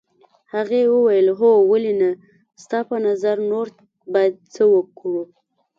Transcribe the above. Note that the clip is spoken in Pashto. هغې وویل هو ولې نه ستا په نظر نور باید څه وکړو.